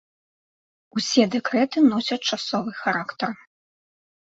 Усе дэкрэты носяць часовы характар.